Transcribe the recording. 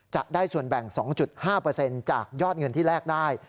จะได้ส่วนแบ่ง๒๕จากยอดเงินที่แลกได้